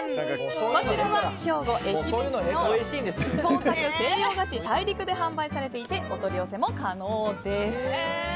こちらは兵庫・姫路市の創作西洋菓子大陸で販売されていてお取り寄せ可能です。